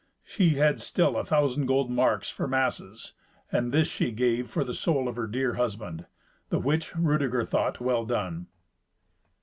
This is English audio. She had still a thousand gold marks for masses, and this she gave for the soul for her dear husband; the which Rudeger thought well done.